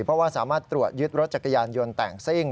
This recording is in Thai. เพราะว่าสามารถตรวจยึดรถจักรยานยนต์แต่งซิ่ง